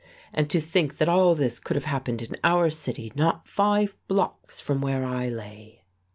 And to think that all this could have happened in our city not five blocks from where I lay!